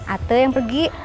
ate yang pergi